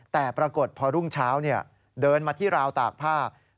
แต่ปรากฏพอรุ่งเช้าเดินมาที่ราวตากผ้า